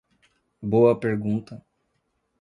Boa pergunta